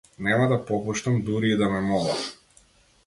Нема да попуштам дури и да ме молат.